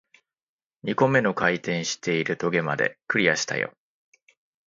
二個目の回転している棘まで、クリアしたよ